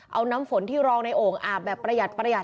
เอาน้ำฝนที่รองในโอ่งอาบแบบประหยัด